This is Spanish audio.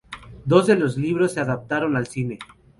Dos de los libros se adaptaron al cine.